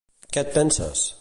Què et penses!